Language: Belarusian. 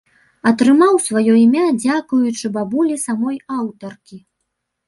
Атрымаў сваё імя дзякуючы бабулі самой аўтаркі.